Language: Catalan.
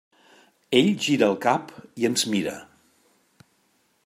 Ell gira el cap i ens mira.